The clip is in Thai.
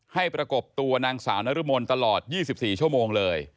ประกบตัวนางสาวนรมนตลอด๒๔ชั่วโมงเลย